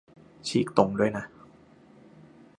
ฉีกตรงด้วยนะ